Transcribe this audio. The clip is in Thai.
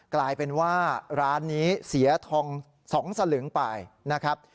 กลายเป็นว่าร้านนี้เสียทอง๒สลึงไปนะครับ